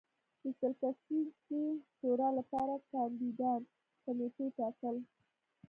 د سل کسیزې شورا لپاره کاندیدان کمېټې ټاکل